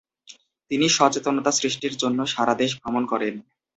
তিনি সচেতনতা সৃষ্টির জন্য সারা দেশ ভ্রমণ করেন।